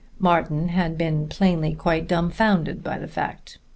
Martin had been plainly quite dumfounded by the fact.